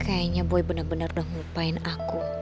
kayaknya boy bener bener udah ngelupain aku